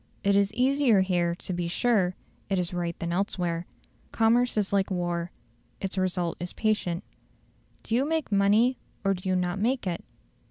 It is easier here to be sure it is right than elsewhere. Commerce is like war; its result is patent. Do you make money or do you not make it?